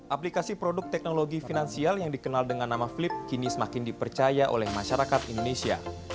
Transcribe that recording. aplikasi produk teknologi finansial yang dikenal dengan nama flip kini semakin dipercaya oleh masyarakat indonesia